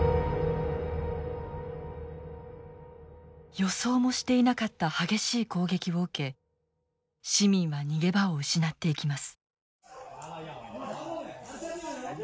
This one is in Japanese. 予想もしていなかった激しい攻撃を受け市民は逃げ場を失っていきます。